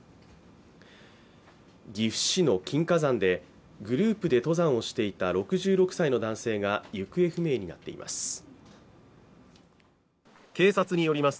岐阜市の金華山で、グループで登山をしていた６６歳の男性が行方不明になっています。